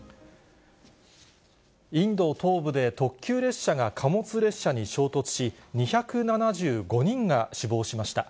インド東部で特急列車が貨物列車に衝突し、２７５人が死亡しました。